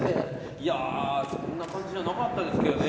いやーそんな感じじゃなかったですけどね。